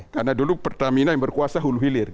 karena dulu pertamina yang berkuasa hulu hilir